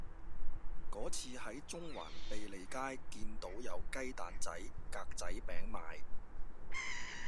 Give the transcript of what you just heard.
嗰次喺中環卑利街見到有雞蛋仔格仔餅賣